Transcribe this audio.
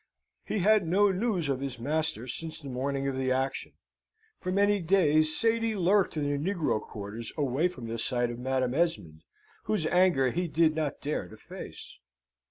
He had no news of his master since the morning of the action. For many days Sady lurked in the negro quarters away from the sight of Madam Esmond, whose anger he did not dare to face.